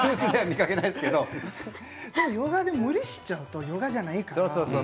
ヨガで無理しちゃうとヨガじゃないから。